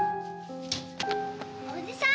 おじさん！